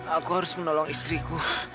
aku harus menolong istriku